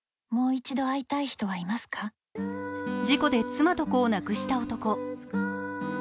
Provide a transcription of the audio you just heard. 事故で妻と子を亡くした男。